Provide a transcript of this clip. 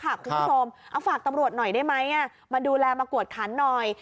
คุณผู้ชมเอาฝากตำรวจหน่อยได้ไหมมาดูแลมากวดขันหน่อย